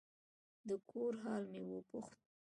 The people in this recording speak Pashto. د کور حال مې وپوښت.